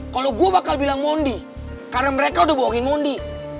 kalau gue bakal bilang mondi karena mereka udah bohongin mondi